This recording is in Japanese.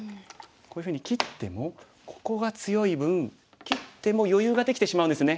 こういうふうに切ってもここが強い分切っても余裕ができてしまうんですね。